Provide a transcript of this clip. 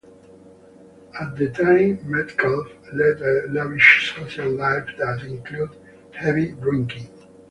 At the time Metcalf led a lavish social life that included heavy drinking.